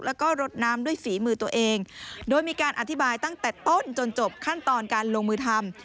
แล้วก็รดน้ำด้วยฝีมือตัวเองโดยมีการอธิบายตั้งแต่ต้นจนจบขั้นตอนการลงมือทำ